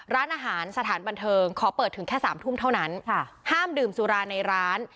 ร้านอาหารสถานบันเทิงขอเปิดถึงแค่สามทุ่มเท่านั้นห้ามดื่มสุราในร้าน